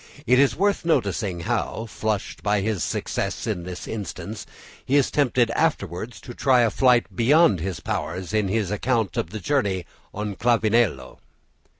It is worth noticing how, flushed by his success in this instance, he is tempted afterwards to try a flight beyond his powers in his account of the journey on Clavileno.